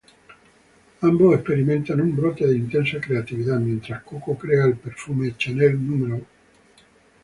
Ambos experimentan un brote de intensa creatividad; mientras Coco crea el perfume Chanel No.